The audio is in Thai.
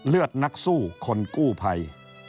เลือดนักสู้คนกู้ภัย